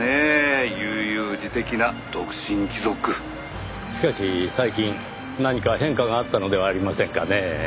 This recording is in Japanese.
「悠々自適な独身貴族」しかし最近何か変化があったのではありませんかねぇ？